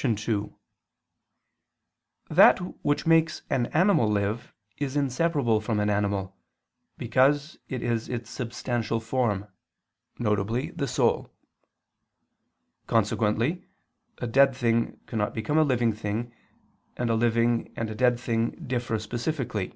2: That which makes an animal live is inseparable from an animal, because it is its substantial form, viz. the soul: consequently a dead thing cannot become a living thing, and a living and a dead thing differ specifically.